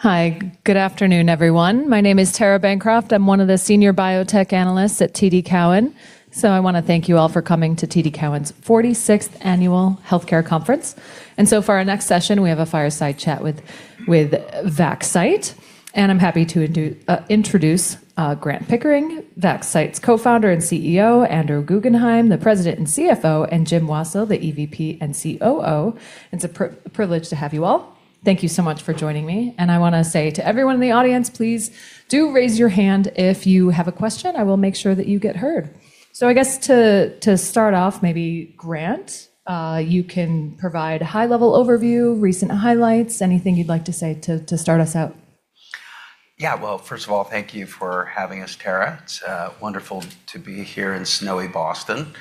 Hi. Good afternoon, everyone. My name is Tara Bancroft. I'm one of the senior biotech analysts at TD Cowen. I wanna thank you all for coming to TD Cowen's 46th Annual Healthcare Conference. For our next session, we have a fireside chat with Vaxcyte, and I'm happy to introduce Grant Pickering, Vaxcyte's Co-Founder and CEO, Andrew Guggenhime, the President and CFO, and Jim Wassil, the EVP and COO. It's a privilege to have you all. Thank you so much for joining me. I wanna say to everyone in the audience, please do raise your hand if you have a question. I will make sure that you get heard. I guess to start off, maybe Grant, you can provide high-level overview, recent highlights, anything you'd like to say to start us out. Yeah. Well, first of all, thank you for having us, Tara. It's wonderful to be here in snowy Boston.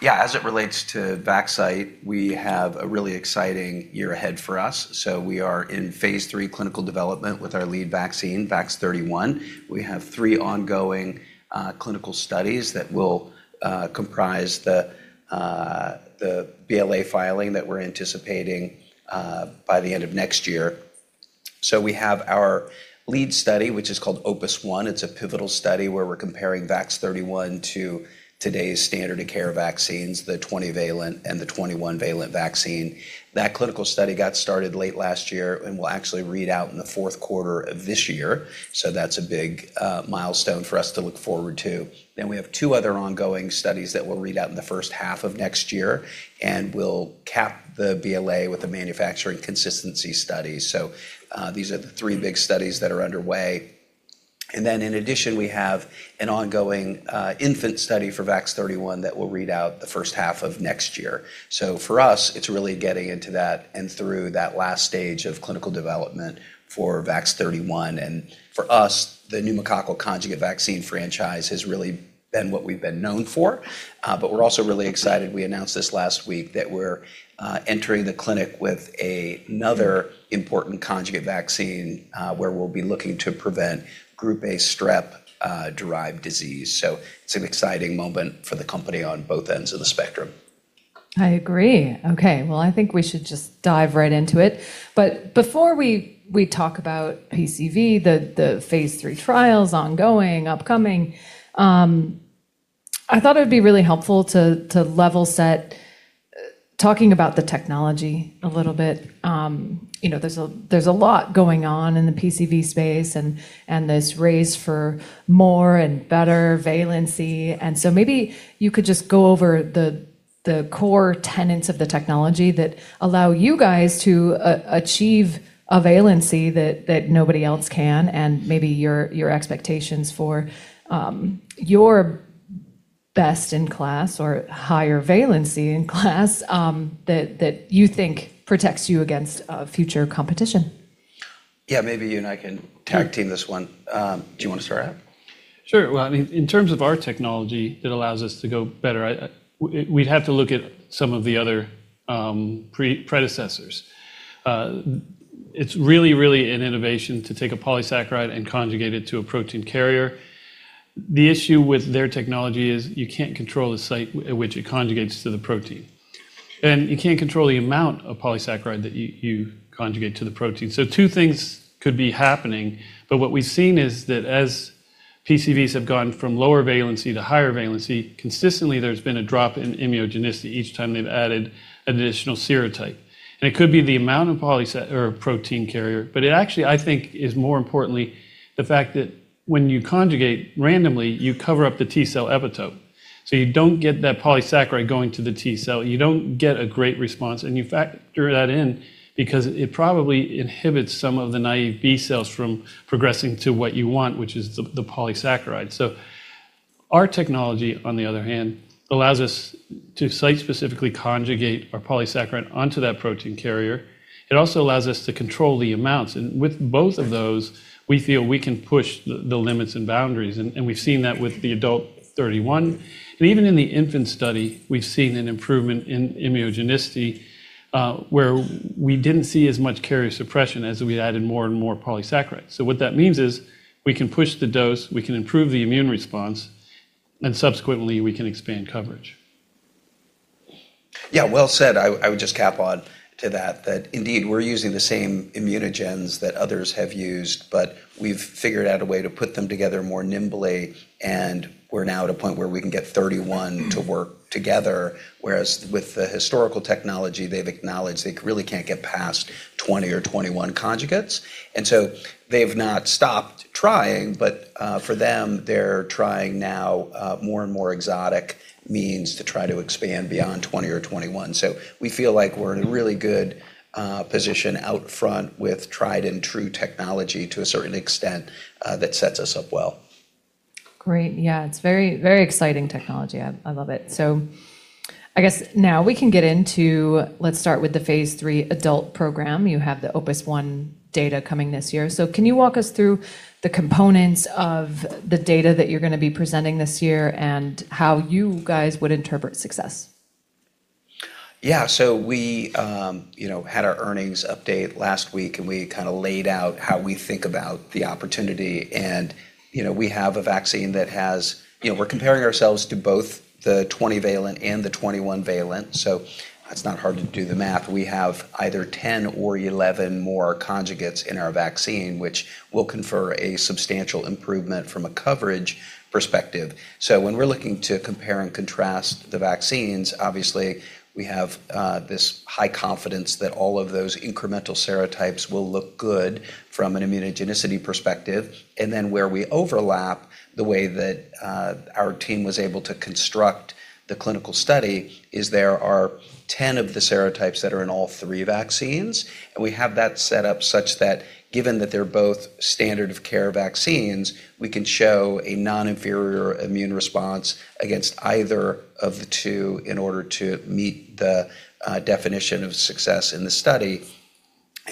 Yeah, as it relates to Vaxcyte, we have a really exciting year ahead for us. We are in phase 3 clinical development with our lead vaccine, VAX-31. We have 3 ongoing clinical studies that will comprise the BLA filing that we're anticipating by the end of next year. We have our lead study, which is called OPUS-1. It's a pivotal study where we're comparing VAX-31 to today's standard of care vaccines, the 20-valent and the 21-valent vaccine. That clinical study got started late last year and will actually read out in the 4th quarter of this year. That's a big milestone for us to look forward to. We have two other ongoing studies that will read out in the first half of next year, and we'll cap the BLA with the manufacturing consistency study. These are the three big studies that are underway. In addition, we have an ongoing infant study for VAX-31 that will read out the first half of next year. For us, it's really getting into that and through that last stage of clinical development for VAX-31. For us, the pneumococcal conjugate vaccine franchise has really been what we've been known for. But we're also really excited, we announced this last week, that we're entering the clinic with another important conjugate vaccine, where we'll be looking to prevent Group A Strep derived disease. It's an exciting moment for the company on both ends of the spectrum. I agree. Okay. Well, I think we should just dive right into it. Before we talk about PCV, the phase 3 trials ongoing, upcoming, I thought it would be really helpful to level set talking about the technology a little bit. You know, there's a lot going on in the PCV space and this race for more and better valency. Maybe you could just go over the core tenets of the technology that allow you guys to achieve a valency that nobody else can, and maybe your expectations for your best in class or higher valency in class that you think protects you against future competition. Maybe you and I can tag team this one. Do you wanna start out? Sure. Well, I mean, in terms of our technology that allows us to go better, I, we'd have to look at some of the other predecessors. It's really an innovation to take a polysaccharide and conjugate it to a protein carrier. The issue with their technology is you can't control the site at which it conjugates to the protein, and you can't control the amount of polysaccharide that you conjugate to the protein. Two things could be happening, but what we've seen is that as PCVs have gone from lower valency to higher valency, consistently, there's been a drop in immunogenicity each time they've added additional serotype. It could be the amount of or protein carrier, but it actually, I think, is more importantly the fact that when you conjugate randomly, you cover up the T cell epitope. You don't get that polysaccharide going to the T cell. You don't get a great response, and you factor that in because it probably inhibits some of the naive B cells from progressing to what you want, which is the polysaccharide. Our technology, on the other hand, allows us to site-specifically conjugate our polysaccharide onto that protein carrier. It also allows us to control the amounts. With both of those, we feel we can push the limits and boundaries, and we've seen that with the adult 31. Even in the infant study, we've seen an improvement in immunogenicity, where we didn't see as much carrier suppression as we added more and more polysaccharide. What that means is we can push the dose, we can improve the immune response, and subsequently, we can expand coverage. Yeah. Well said. I would just cap on to that indeed, we're using the same immunogens that others have used, but we've figured out a way to put them together more nimbly, and we're now at a point where we can get 31 to work together, whereas with the historical technology, they've acknowledged they really can't get past 20 or 21 conjugates. They've not stopped trying, but for them, they're trying now more and more exotic means to try to expand beyond 20 or 21. We feel like we're in a really good position out front with tried and true technology to a certain extent, that sets us up well. Great. Yeah. It's very, very exciting technology. I love it. I guess now we can get into. Let's start with the phase 3 adult program. You have the OPUS-1 data coming this year. Can you walk us through the components of the data that you're gonna be presenting this year and how you guys would interpret success? Yeah. We, you know, had our earnings update last week, and we kinda laid out how we think about the opportunity. We, you know, we have a vaccine that has... You know, we're comparing ourselves to both the 20-valent and the 21-valent, so it's not hard to do the math. We have either 10 or 11 more conjugates in our vaccine, which will confer a substantial improvement from a coverage perspective. When we're looking to compare and contrast the vaccines, obviously we have this high confidence that all of those incremental serotypes will look good from an immunogenicity perspective. Then where we overlap, the way that our team was able to construct the clinical study, is there are 10 of the serotypes that are in all three vaccines. We have that set up such that given that they're both standard of care vaccines, we can show a non-inferior immune response against either of the two in order to meet the definition of success in the study.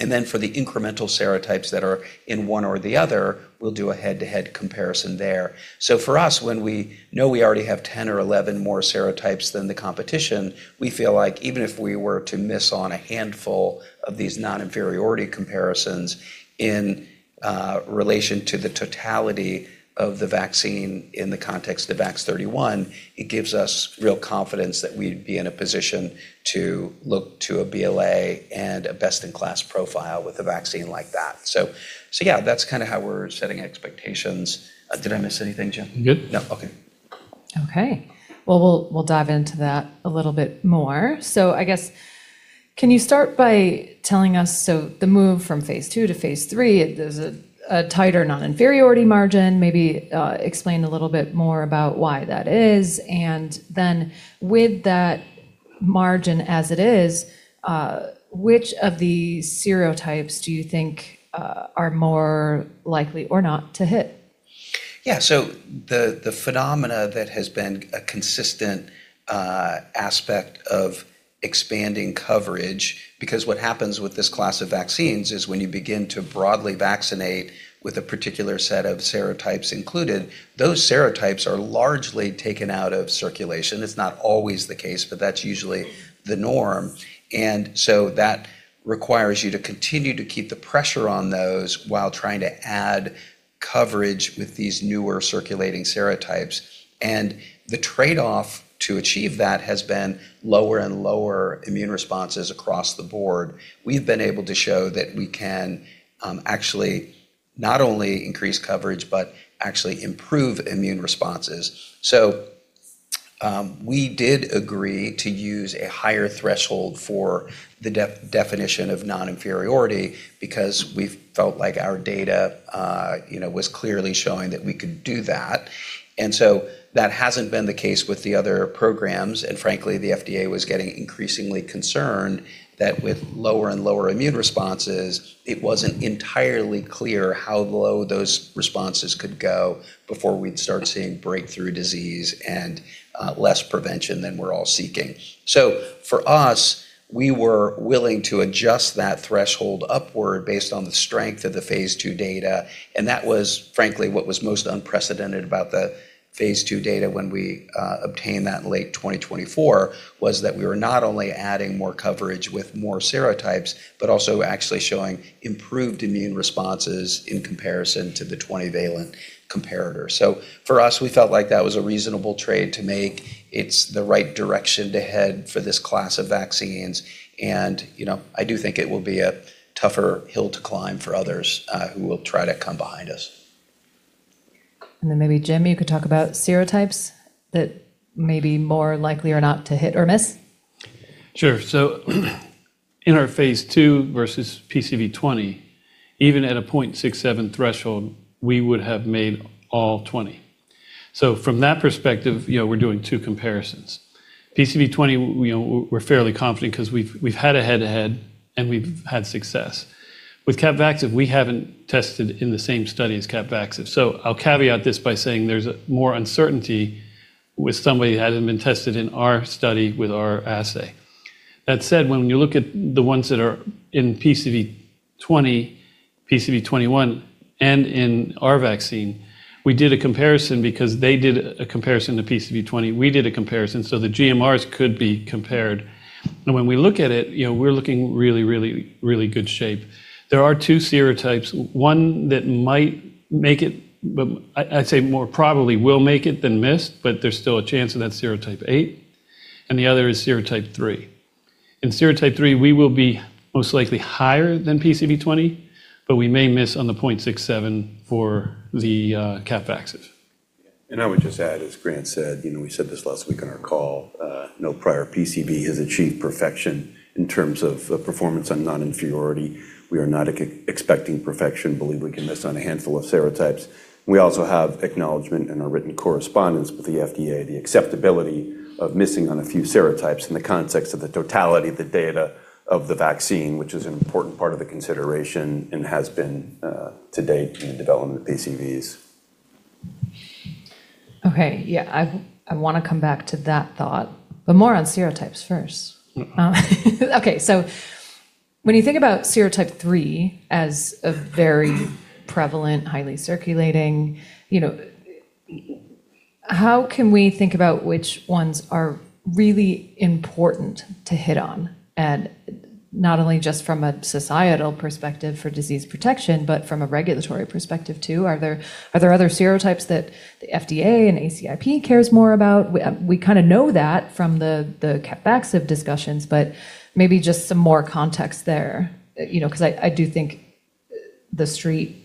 Then for the incremental serotypes that are in one or the other, we'll do a head-to-head comparison there. For us, when we know we already have 10 or 11 more serotypes than the competition, we feel like even if we were to miss on a handful of these non-inferiority comparisons in relation to the totality of the vaccine in the context of VAX-31, it gives us real confidence that we'd be in a position to look to a BLA and a best-in-class profile with a vaccine like that. Yeah, that's kinda how we're setting expectations. Did I miss anything, Jim? I'm good. No. Okay. Okay. Well, we'll dive into that a little bit more. I guess, can you start by telling us? The move from phase two to phase three, there's a tighter non-inferiority margin. Maybe explain a little bit more about why that is. With that margin as it is, which of the serotypes do you think are more likely or not to hit? Yeah. The phenomena that has been a consistent aspect of expanding coverage, because what happens with this class of vaccines is when you begin to broadly vaccinate with a particular set of serotypes included, those serotypes are largely taken out of circulation. It's not always the case, but that's usually the norm. That requires you to continue to keep the pressure on those while trying to add coverage with these newer circulating serotypes. The trade-off to achieve that has been lower and lower immune responses across the board. We've been able to show that we can actually not only increase coverage, but actually improve immune responses. We did agree to use a higher threshold for the definition of non-inferiority because we felt like our data, you know, was clearly showing that we could do that. That hasn't been the case with the other programs. Frankly, the FDA was getting increasingly concerned that with lower and lower immune responses, it wasn't entirely clear how low those responses could go before we'd start seeing breakthrough disease and less prevention than we're all seeking. For us, we were willing to adjust that threshold upward based on the strength of the phase 2 data, and that was frankly what was most unprecedented about the phase 2 data when we obtained that in late 2024, was that we were not only adding more coverage with more serotypes, but also actually showing improved immune responses in comparison to the 20-valent comparator. For us, we felt like that was a reasonable trade to make. It's the right direction to head for this class of vaccines. You know, I do think it will be a tougher hill to climb for others, who will try to come behind us. Maybe Jim, you could talk about serotypes that may be more likely or not to hit or miss. Sure. In our Phase II versus PCV20, even at a 0.67 threshold, we would have made all 20. From that perspective, you know, we're doing 2 comparisons. PCV20, you know, we're fairly confident 'cause we've had a head-to-head, and we've had success. With CAPVAXIVE, we haven't tested in the same study as CAPVAXIVE. I'll caveat this by saying there's more uncertainty with somebody that hadn't been tested in our study with our assay. That said, when you look at the ones that are in PCV20, PCV21, and in our vaccine, we did a comparison because they did a comparison to PCV20. We did a comparison, so the GMRs could be compared. When we look at it, you know, we're looking really, really, really good shape. There are two serotypes, 1 that might make it, but I'd say more probably will make it than miss, but there's still a chance of that serotype 8, and the other is serotype 3. In serotype 3, we will be most likely higher than PCV20, but we may miss on the 0.67 for the CAPVAXIVE. I would just add, as Grant said, you know, we said this last week on our call, no prior PCV has achieved perfection in terms of performance on non-inferiority. We are not expecting perfection, believe we can miss on a handful of serotypes. We also have acknowledgment in our written correspondence with the FDA, the acceptability of missing on a few serotypes in the context of the totality of the data of the vaccine, which is an important part of the consideration and has been to date in the development of PCVs. I wanna come back to that thought, but more on serotypes first. When you think about serotype 3 as a very prevalent, highly circulating, you know, how can we think about which ones are really important to hit on? Not only just from a societal perspective for disease protection, but from a regulatory perspective too. Are there, are there other serotypes that the FDA and ACIP cares more about? We, we kinda know that from the CAPVAXIVE discussions, but maybe just some more context there. You know, 'cause I do think the street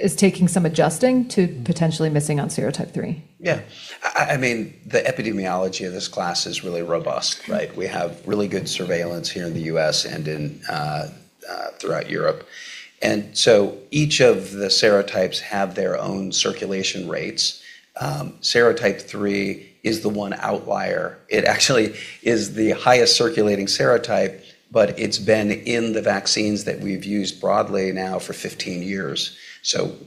is taking some adjusting to potentially missing on serotype 3. Yeah. I mean, the epidemiology of this class is really robust, right? We have really good surveillance here in the U.S. and in throughout Europe. Each of the serotypes have their own circulation rates. Serotype 3 is the one outlier. It actually is the highest circulating serotype, but it's been in the vaccines that we've used broadly now for 15 years.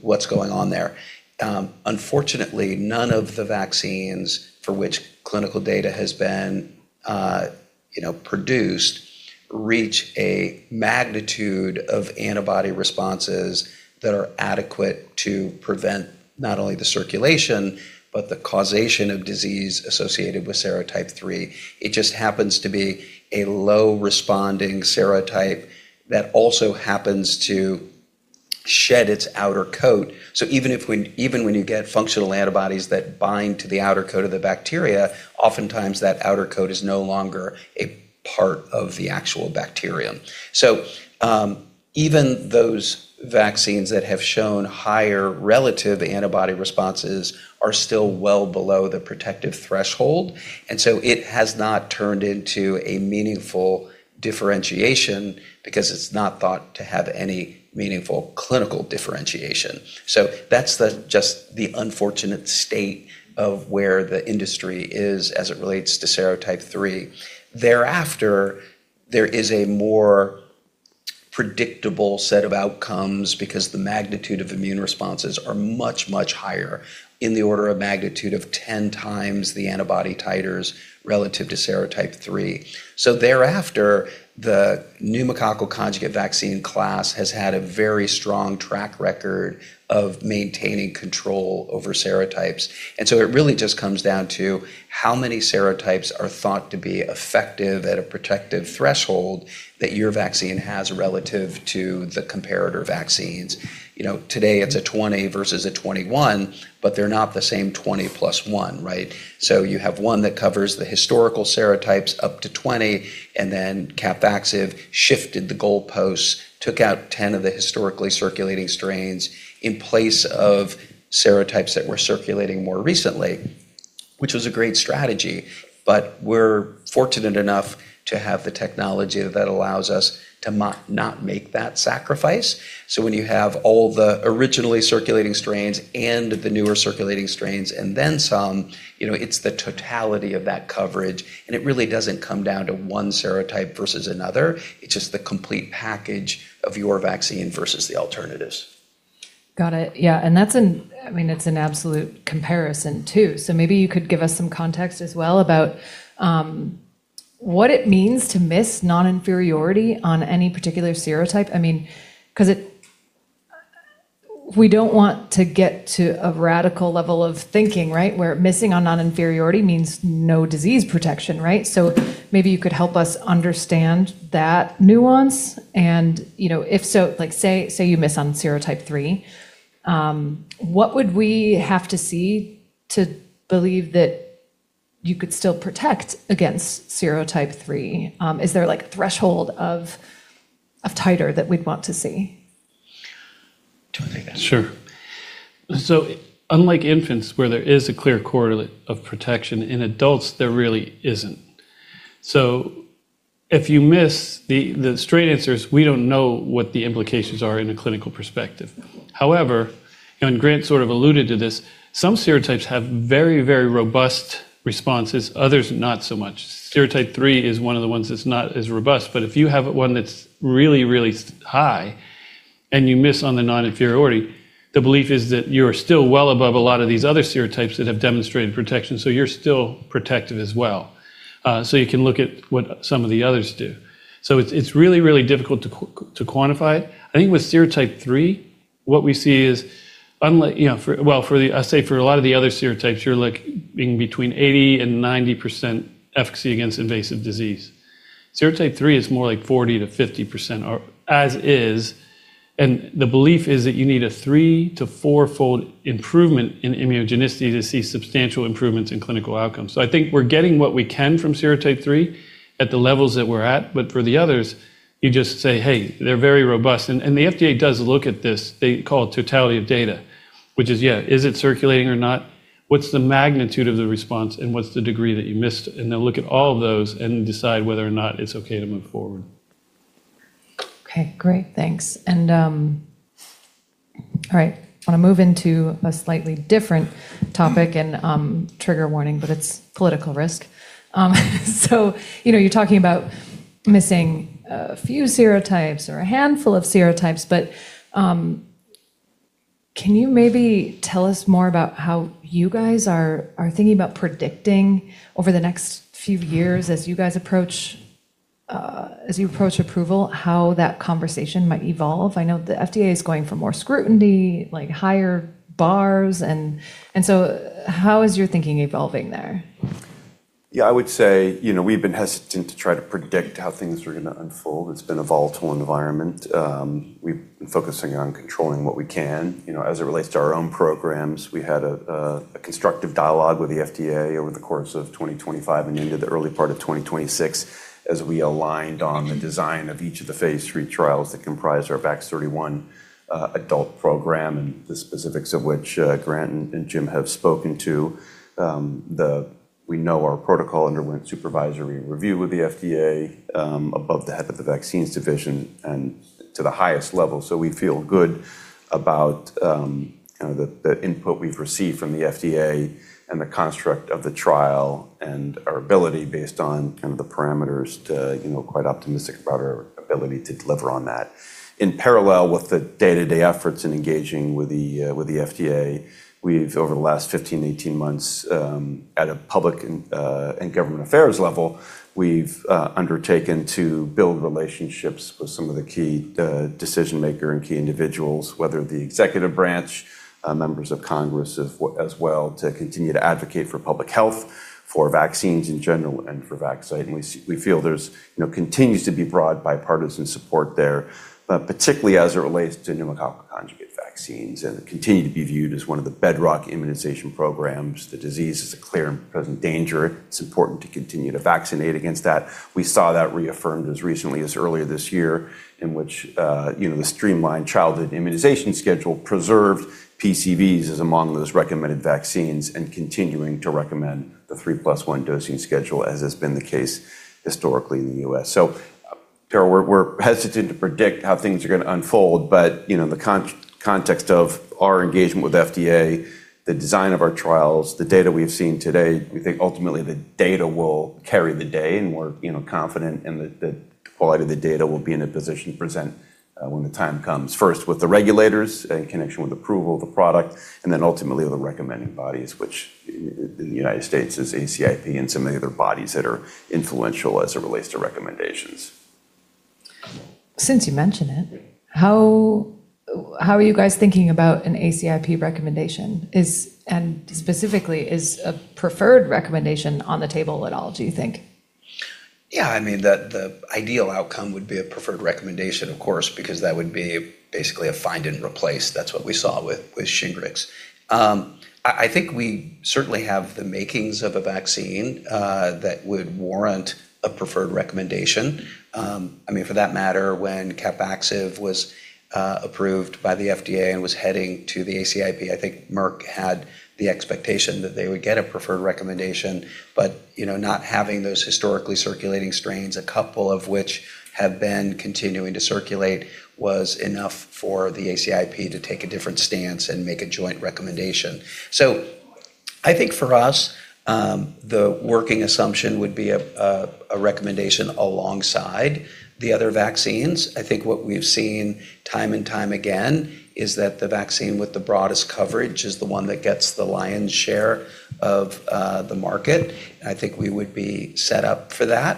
What's going on there? Unfortunately, none of the vaccines for which clinical data has been, you know, produced reach a magnitude of antibody responses that are adequate to prevent not only the circulation, but the causation of disease associated with serotype 3. It just happens to be a low-responding serotype that also happens to shed its outer coat. Even when you get functional antibodies that bind to the outer coat of the bacteria, oftentimes that outer coat is no longer a part of the actual bacterium. Even those vaccines that have shown higher relative antibody responses are still well below the protective threshold, and so it has not turned into a meaningful differentiation because it's not thought to have any meaningful clinical differentiation. That's the just the unfortunate state of where the industry is as it relates to serotype 3. Thereafter, there is a more predictable set of outcomes because the magnitude of immune responses are much, much higher in the order of magnitude of 10 times the antibody titers relative to serotype 3. Thereafter, the pneumococcal conjugate vaccine class has had a very strong track record of maintaining control over serotypes. It really just comes down to how many serotypes are thought to be effective at a protective threshold that your vaccine has relative to the comparator vaccines. You know, today it's a 20 versus a 21, but they're not the same 20 plus 1, right? You have one that covers the historical serotypes up to 20, and then CAPVAXIVE shifted the goalposts, took out 10 of the historically circulating strains in place of serotypes that were circulating more recently, which was a great strategy. We're fortunate enough to have the technology that allows us to not make that sacrifice. When you have all the originally circulating strains and the newer circulating strains and then some, you know, it's the totality of that coverage, and it really doesn't come down to 1 serotype versus another. It's just the complete package of your vaccine versus the alternatives. Got it. Yeah. That's an I mean, it's an absolute comparison too. Maybe you could give us some context as well about what it means to miss non-inferiority on any particular serotype. I mean, 'cause we don't want to get to a radical level of thinking, right? Where missing on non-inferiority means no disease protection, right? Maybe you could help us understand that nuance, and, you know, if so. Like, say you miss on serotype 3, what would we have to see to believe that you could still protect against serotype 3? Is there, like, a threshold of titer that we'd want to see? Do you want to take that? Sure. Unlike infants, where there is a clear correlate of protection, in adults, there really isn't. If you miss, the straight answer is we don't know what the implications are in a clinical perspective. However, Grant sort of alluded to this, some serotypes have very, very robust responses, others not so much. Serotype 3 is one of the ones that's not as robust. If you have one that's really, really high and you miss on the non-inferiority, the belief is that you're still well above a lot of these other serotypes that have demonstrated protection, so you're still protective as well. You can look at what some of the others do. It's really, really difficult to quantify it. I think with serotype 3, what we see is unlike. I say for a lot of the other serotypes, you're like between 80%-90% efficacy against invasive disease. serotype 3 is more like 40%-50% or as is, the belief is that you need a three to four-fold improvement in immunogenicity to see substantial improvements in clinical outcomes. I think we're getting what we can from serotype 3 at the levels that we're at. For the others, you just say, "Hey, they're very robust." The FDA does look at this. They call it totality of data, which is, yeah, is it circulating or not? What's the magnitude of the response, and what's the degree that you missed? They'll look at all of those and decide whether or not it's okay to move forward. Okay. Great. Thanks. All right. I want to move into a slightly different topic. Trigger warning, but it's political risk. You know, you're talking about missing a few serotypes or a handful of serotypes. Can you maybe tell us more about how you guys are thinking about predicting over the next few years as you guys approach approval, how that conversation might evolve? I know the FDA is going for more scrutiny, like higher bars. How is your thinking evolving there? Yeah, I would say, you know, we've been hesitant to try to predict how things are gonna unfold. It's been a volatile environment. We've been focusing on controlling what we can. You know, as it relates to our own programs, we had a constructive dialogue with the FDA over the course of 2025 and into the early part of 2026 as we aligned on the design of each of the phase 3 trials that comprise our VAX-31 adult program, and the specifics of which Grant and Jim have spoken to. We know our protocol underwent supervisory review with the FDA, above the head of the vaccines division and to the highest level. We feel good about the input we've received from the FDA and the construct of the trial and our ability based on the parameters to, you know, quite optimistic about our ability to deliver on that. In parallel with the day-to-day efforts in engaging with the FDA, we've over the last 15 to 18 months, at a public and government affairs level, we've undertaken to build relationships with some of the key decision maker and key individuals, whether the executive branch, members of Congress as well, to continue to advocate for public health, for vaccines in general, and for Vaxcyte. We feel there's, you know, continues to be broad bipartisan support there, particularly as it relates to pneumococcal conjugate vaccines. It continue to be viewed as one of the bedrock immunization programs. The disease is a clear and present danger. It's important to continue to vaccinate against that. We saw that reaffirmed as recently as earlier this year, in which, you know, the streamlined childhood immunization schedule preserved PCVs as among those recommended vaccines and continuing to recommend the three plus one dosing schedule as has been the case historically in the U.S. Tara, we're hesitant to predict how things are gonna unfold but, you know, the context of our engagement with FDA, the design of our trials, the data we've seen today, we think ultimately the data will carry the day, and we're, you know, confident in the quality of the data we'll be in a position to present when the time comes, first with the regulators in connection with approval of the product, and then ultimately the recommending bodies, which in the United States is ACIP and some of the other bodies that are influential as it relates to recommendations. Since you mention it, how are you guys thinking about an ACIP recommendation? Specifically, is a preferred recommendation on the table at all, do you think? Yeah. I mean, the ideal outcome would be a preferred recommendation, of course, because that would be basically a find and replace. That's what we saw with Shingrix. I think we certainly have the makings of a vaccine that would warrant a preferred recommendation. I mean, for that matter, when CAPVAXIVE was approved by the FDA and was heading to the ACIP, I think Merck had the expectation that they would get a preferred recommendation. You know, not having those historically circulating strains, a couple of which have been continuing to circulate, was enough for the ACIP to take a different stance and make a joint recommendation. I think for us, the working assumption would be a recommendation alongside the other vaccines. I think what we've seen time and time again is that the vaccine with the broadest coverage is the one that gets the lion's share of the market. I think we would be set up for that.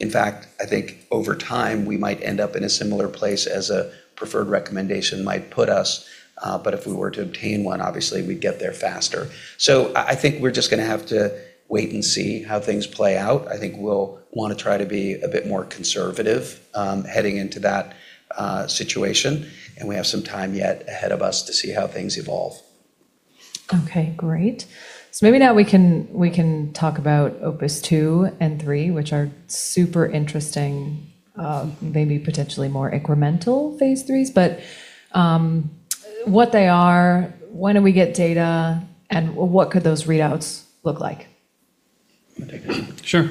In fact, I think over time, we might end up in a similar place as a preferred recommendation might put us, but if we were to obtain one, obviously we'd get there faster. I think we're just gonna have to wait and see how things play out. I think we'll wanna try to be a bit more conservative, heading into that situation, and we have some time yet ahead of us to see how things evolve. Okay. Great. Maybe now we can talk about OPUS-2 and OPUS-3, which are super interesting, maybe potentially more incremental phase 3s, but what they are, when do we get data, and what could those readouts look like? You want to take that? Sure.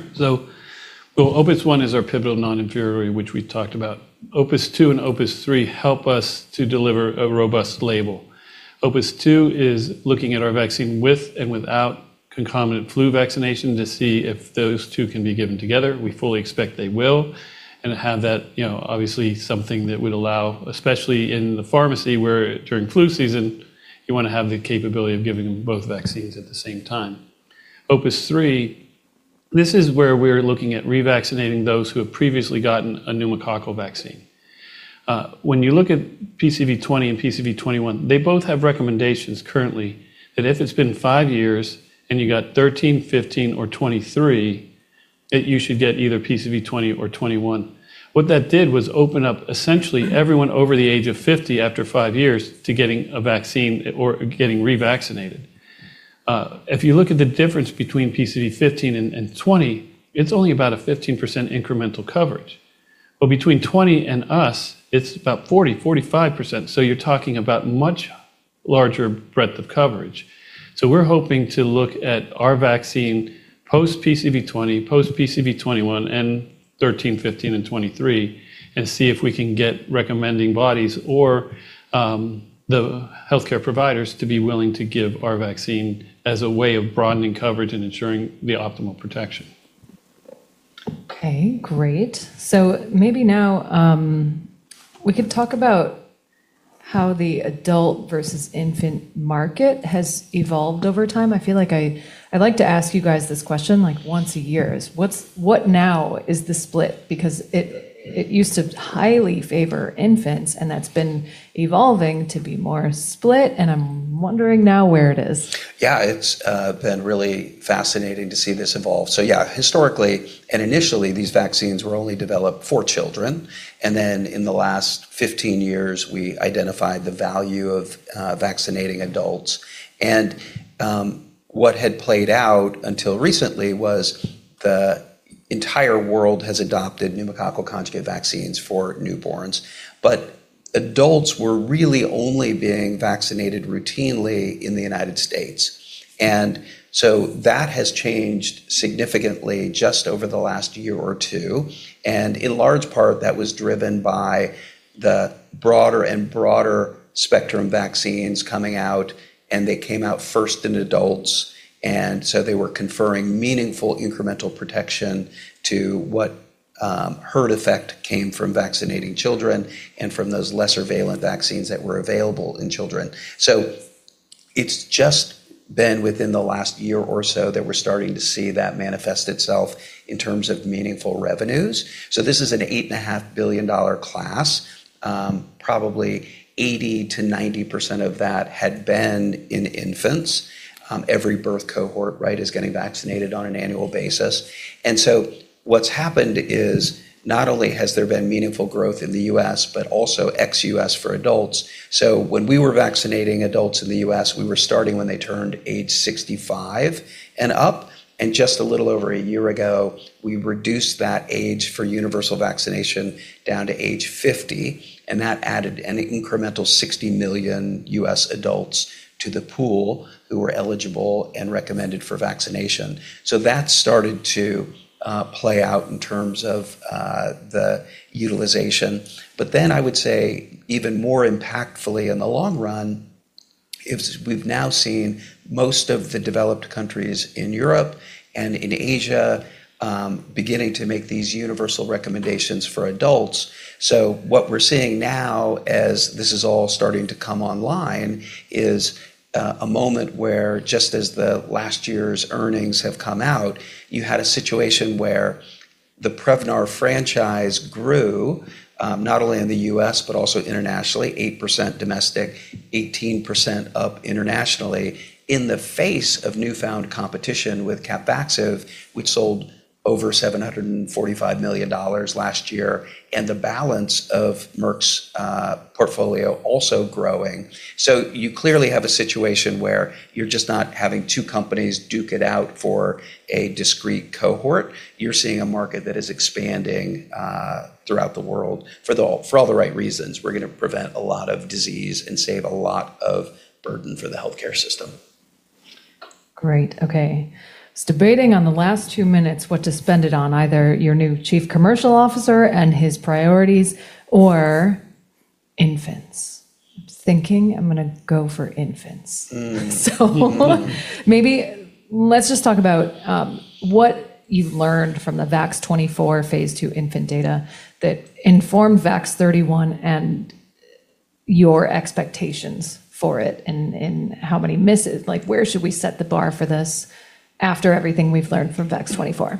OPUS-1 is our pivotal non-inferiority, which we talked about. OPUS-2 and OPUS-3 help us to deliver a robust label. OPUS-2 is looking at our vaccine with and without concomitant flu vaccination to see if those two can be given together. We fully expect they will and have that, you know, obviously something that would allow, especially in the pharmacy where during flu season, you wanna have the capability of giving both vaccines at the same time. OPUS-3, this is where we're looking at revaccinating those who have previously gotten a pneumococcal vaccine. When you look at PCV20 and PCV21, they both have recommendations currently that if it's been 5 years and you got 13, 15, or 23, that you should get either PCV20 or PCV21. What that did was open up essentially everyone over the age of 50 after 5 years to getting a vaccine or getting revaccinated. If you look at the difference between PCV 15 and 20, it's only about a 15% incremental coverage. Between 20 and us, it's about 40-45%, so you're talking about much larger breadth of coverage. We're hoping to look at our vaccine post PCV 20, post PCV 21, and 13, 15, and 23, and see if we can get recommending bodies or the healthcare providers to be willing to give our vaccine as a way of broadening coverage and ensuring the optimal protection. Great. Maybe now, we could talk about how the adult versus infant market has evolved over time. I feel like I'd like to ask you guys this question like once a year is what now is the split? Because it used to highly favor infants, and that's been evolving to be more split, and I'm wondering now where it is. Yeah. It's been really fascinating to see this evolve. Yeah, historically and initially, these vaccines were only developed for children, and then in the last 15 years we identified the value of vaccinating adults. What had played out until recently was the entire world has adopted pneumococcal conjugate vaccines for newborns. Adults were really only being vaccinated routinely in the United States. That has changed significantly just over the last year or 2, and in large part that was driven by the broader and broader spectrum vaccines coming out, and so they were conferring meaningful incremental protection to what herd effect came from vaccinating children and from those less prevalent vaccines that were available in children. It's just been within the last year or so that we're starting to see that manifest itself in terms of meaningful revenues. This is an $8.5 billion class. Probably 80%-90% of that had been in infants. Every birth cohort, right, is getting vaccinated on an annual basis. What's happened is not only has there been meaningful growth in the U.S., but also ex-U.S. for adults. When we were vaccinating adults in the U.S., we were starting when they turned age 65 and up, and just a little over a year ago, we reduced that age for universal vaccination down to age 50, and that added an incremental 60 million U.S. adults to the pool who were eligible and recommended for vaccination. That started to play out in terms of the utilization. I would say even more impactfully in the long run is we've now seen most of the developed countries in Europe and in Asia beginning to make these universal recommendations for adults. What we're seeing now as this is all starting to come online, is a moment where just as the last year's earnings have come out, you had a situation where the Prevnar franchise grew not only in the US, but also internationally, 8% domestic, 18% up internationally, in the face of newfound competition with CAPVAXIVE, which sold over $745 million last year, and the balance of Merck's portfolio also growing. You clearly have a situation where you're just not having two companies duke it out for a discrete cohort. You're seeing a market that is expanding throughout the world for all the right reasons. We're gonna prevent a lot of disease and save a lot of burden for the healthcare system. Great. Was debating on the last 2 minutes what to spend it on, either your new chief commercial officer and his priorities or infants. I'm thinking I'm gonna go for infants. Maybe let's just talk about what you've learned from the VAX-24 phase 2 infant data that informed VAX-31 and your expectations for it and how many misses. Like, where should we set the bar for this after everything we've learned from VAX-24?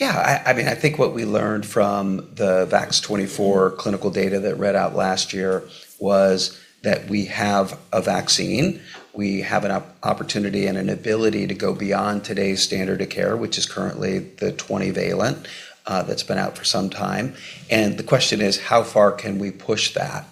I mean, I think what we learned from the VAX-24 clinical data that read out last year was that we have a vaccine. We have an opportunity and an ability to go beyond today's standard of care, which is currently the 20-valent that's been out for some time. The question is: How far can we push that?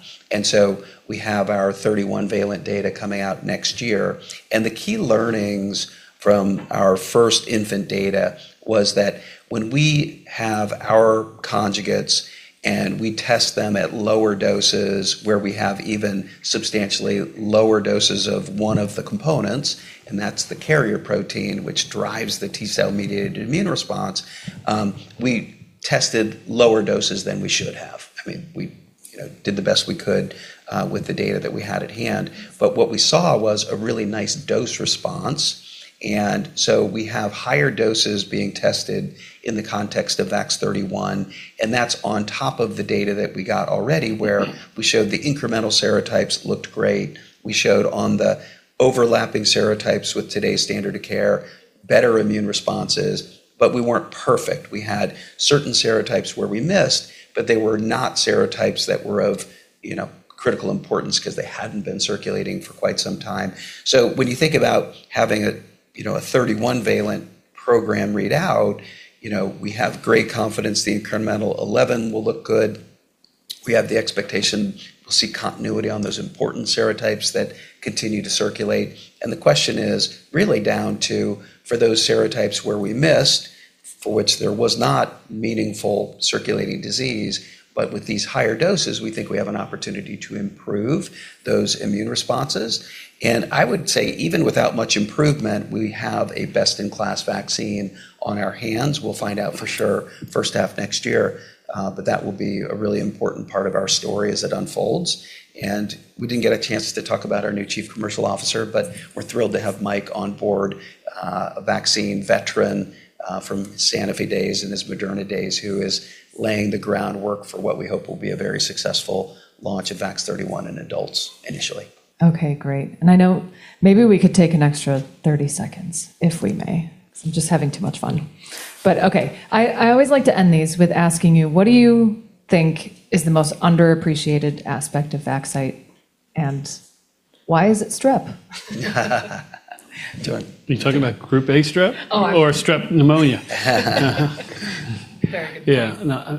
We have our 31-valent data coming out next year. The key learnings from our first infant data was that when we have our conjugates, and we test them at lower doses where we have even substantially lower doses of one of the components, and that's the carrier protein which drives the T-cell mediated immune response, we tested lower doses than we should have. I mean, we, you know, did the best we could, with the data that we had at hand, but what we saw was a really nice dose response. We have higher doses being tested in the context of VAX-31, and that's on top of the data that we got already.... we showed the incremental serotypes looked great. We showed on the overlapping serotypes with today's standard of care better immune responses, we weren't perfect. We had certain serotypes where we missed, they were not serotypes that were of, you know, critical importance 'cause they hadn't been circulating for quite some time. When you think about having a, you know, a 31-valent program read out, you know, we have great confidence the incremental 11 will look good. We have the expectation we'll see continuity on those important serotypes that continue to circulate. The question is really down to for those serotypes where we missed, for which there was not meaningful circulating disease, with these higher doses, we think we have an opportunity to improve those immune responses. I would say even without much improvement, we have a best-in-class vaccine on our hands. We'll find out for sure first half next year, but that will be a really important part of our story as it unfolds. We didn't get a chance to talk about our new Chief Commercial Officer, but we're thrilled to have Mike on board, a vaccine veteran, from Sanofi days and his Moderna days, who is laying the groundwork for what we hope will be a very successful launch of VAX-31 in adults initially. Okay. Great. I know maybe we could take an extra 30 seconds, if we may, 'cause I'm just having too much fun. Okay. I always like to end these with asking you: What do you think is the most underappreciated aspect of Vaxcyte, and why is it strep? Jordan. Are you talking about Group A Strep- Oh. or Strep pneumoniae? Very good point. Yeah. No,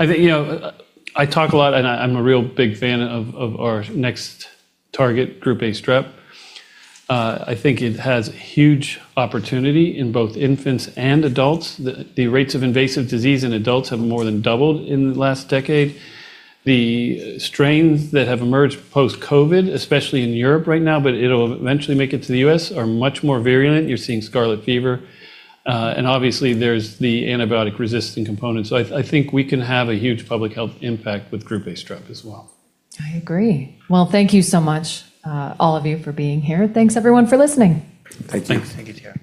I think, you know, I talk a lot, and I'm a real big fan of our next target Group A Strep. I think it has huge opportunity in both infants and adults. The rates of invasive disease in adults have more than doubled in the last decade. The strains that have emerged post-COVID, especially in Europe right now, but it'll eventually make it to the US, are much more virulent. You're seeing scarlet fever. Obviously there's the antibiotic-resistant component. I think we can have a huge public health impact with Group A Strep as well. I agree. Well, thank you so much, all of you for being here. Thanks everyone for listening. Thank you. Thanks. Thank you, Tara.